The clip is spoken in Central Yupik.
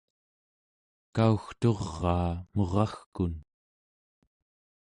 kaugturaa muragkun